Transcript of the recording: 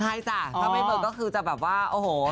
หลายคนเขียนรีวิวชวิต